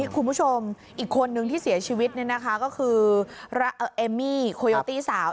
คุณผู้ชมอีกคนนึงที่เสียชีวิตก็คือเอมมี่โคโยตี้สาว